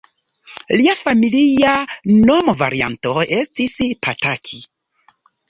Lia familia nomvarianto estis Pataki.